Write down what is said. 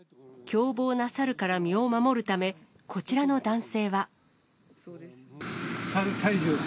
凶暴なサルから身を守るため、こちらの男性は。